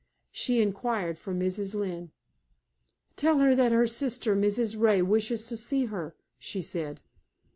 She inquired for Mrs. Lynne. "Tell her that her sister, Mrs. Ray, wishes to see her," she said.